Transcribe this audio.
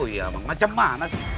ya bagaimana sih